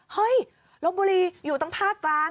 เฮ้ยลบบุรีอยู่ตั้งภาคกลาง